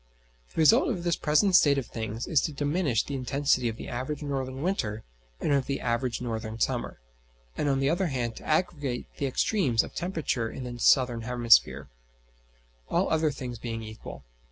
The result of this present state of things is to diminish the intensity of the average northern winter and of the average northern summer, and on the other hand to aggravate the extremes of temperature in the southern hemisphere; all other things being equal.